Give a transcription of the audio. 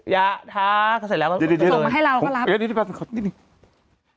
อย่าท้าเสร็จแล้วส่งมาให้เราก็รับเดี๋ยวเดี๋ยวเดี๋ยว